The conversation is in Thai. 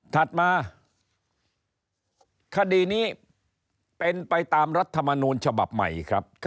ถัดมาคดีนี้เป็นไปตามรัฐมนูลฉบับใหม่ครับ